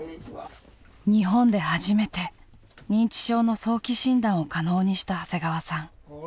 日本で初めて認知症の早期診断を可能にした長谷川さん。